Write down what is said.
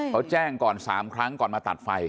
เขาแจ้งก่อน๓ครั้งก่อนมาตัดไฟ